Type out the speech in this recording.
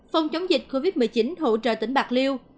phòng chống dịch covid một mươi chín hỗ trợ tỉnh bạc liêu